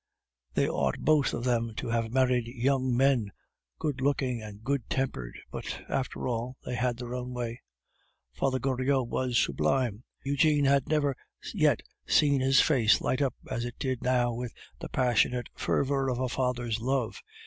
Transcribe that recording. They ought both of them to have married young men, good looking and good tempered but, after all, they had their own way." Father Goriot was sublime. Eugene had never yet seen his face light up as it did now with the passionate fervor of a father's love.